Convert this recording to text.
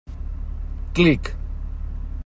Clic!